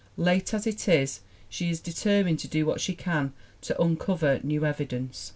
Late as it is, she is determined to do what she can to uncover new evidence.